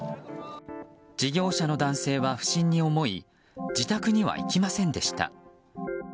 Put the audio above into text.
事業者の男性は不審に思い自宅には行きませんでした。